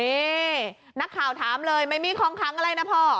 นี่นักข่าวถามเลยไม่มีของขังอะไรนะพ่อ